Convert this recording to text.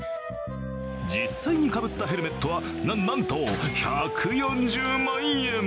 実際にかぶったヘルメットはな、なんと１４０万円。